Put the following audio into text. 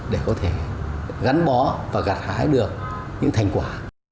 để có thể gắn bó và gạt hái được những thành quả